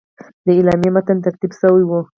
د اعلامیې متن ترتیب شوی وو.